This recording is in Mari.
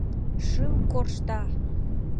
Шӱм коршта.